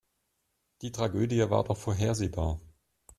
Die Tragödie war doch vorhersehbar.